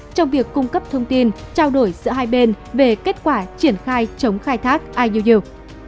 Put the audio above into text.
trong việc cung cấp thông tin trao đổi giữa hai bên về kết quả triển khai chống khai thác iuu